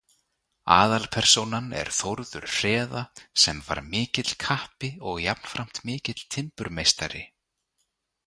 Aðalpersónan er Þórður hreða, sem var mikill kappi og jafnframt mikill timburmeistari.